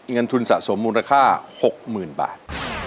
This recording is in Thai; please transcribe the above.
เงินทุนสะสมมูลค่า๖๐๐๐บาท